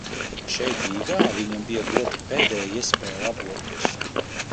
Šeit Rīgā viņam bija dota pēdējā iespēja laboties.